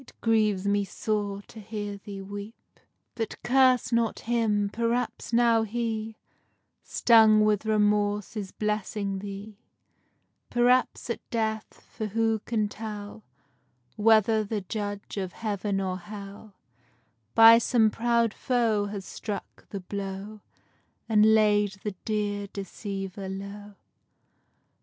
_ But curse not him; perhaps now he, Stung with remorse, is blessing thee: Perhaps at death; for who can tell Whether the judge of heaven or hell, By some proud foe has struck the blow, And laid the dear deceiver low?